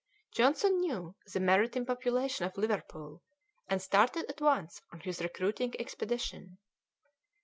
Johnson knew the maritime population of Liverpool, and started at once on his recruiting expedition.